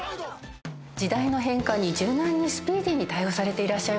時代の変化に柔軟にスピーディーに対応されていらっしゃいますね。